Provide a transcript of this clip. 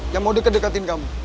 yang mau deket deketin kamu